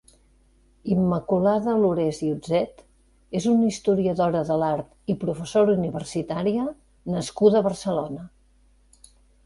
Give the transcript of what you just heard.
Immaculada Lorés i Otzet és una historiadora de l'art i professora universitària nascuda a Barcelona.